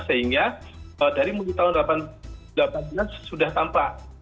sehingga dari mulai tahun delapan belas sudah tampak